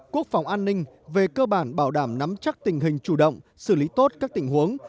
quốc phòng an ninh về cơ bản bảo đảm nắm chắc tình hình chủ động xử lý tốt các tình huống